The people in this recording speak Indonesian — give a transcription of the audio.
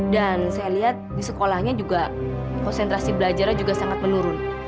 dan saya lihat di sekolahnya juga konsentrasi belajaran juga sangat menurun